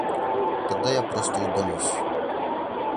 Тогда я просто удалюсь.